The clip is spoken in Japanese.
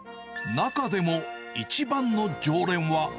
中でも一番の常連は。